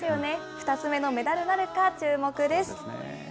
２つ目のメダルなるか、注目です。